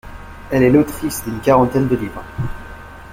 Elle est l'autrice d'une quarantaine de livres.